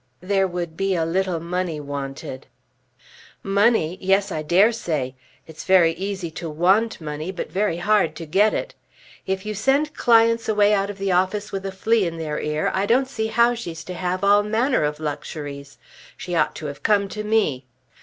"There would be a little money wanted." "Money! Yes, I dare say. It's very easy to want money but very hard to get it. If you send clients away out of the office with a flea in their ear I don't see how she's to have all manner of luxuries. She ought to have come to me."